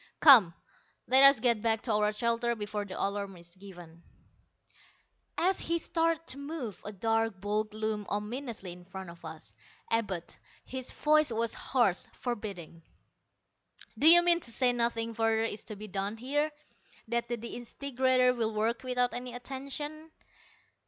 "Come, let us get back to our shelter before the alarm is given." As he started to move, a dark bulk loomed ominously in front of us Abud. His voice was harsh, forbidding. "Do you mean to say nothing further is to be done here that the disintegrator will work without any attention?"